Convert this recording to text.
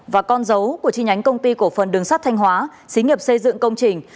và con dấu của chi nhánh công ty cổ phần đường sắt thanh hóa xí nghiệp xây dựng công trình